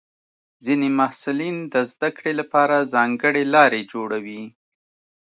ځینې محصلین د زده کړې لپاره ځانګړې لارې جوړوي.